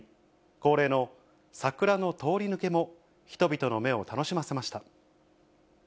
恒例の桜の通り抜けも、人々の目を楽しませました。